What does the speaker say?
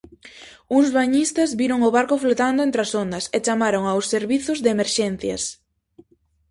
Uns bañistas viron o barco flotando entre as ondas e chamaron aos servizos de emerxencias.